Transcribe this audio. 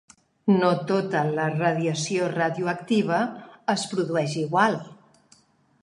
No tota la radiació radioactiva es produeix igual.